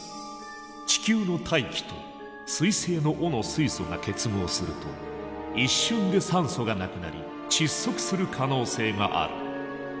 地球の大気と彗星の尾の水素が結合すると一瞬で酸素がなくなり窒息する可能性がある。